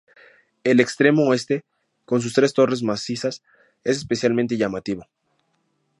El extremo oeste, con sus tres torres macizas, es especialmente llamativo.